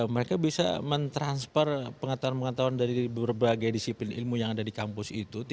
mereka bisa mentransfer pengetahuan pengetahuan dari berbagai disiplin ilmu yang ada di kampus itu